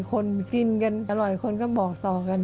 คนกินกันอร่อยคนก็บอกต่อกัน